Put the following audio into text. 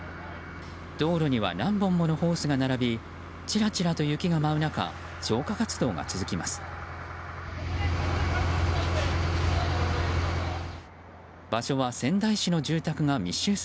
道路には何本ものホースが並びちらちらと雪が舞う中消火活動が続きます。